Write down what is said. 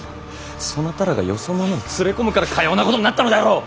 そなたらがよそ者など連れ込むからかようなことになったのであろう！